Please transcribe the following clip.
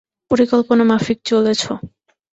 পরিকল্পনা মাফিক চলেছ।